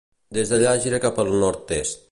Des d'allà gira cap al nord-est.